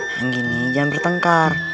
yang gini jangan bertengkar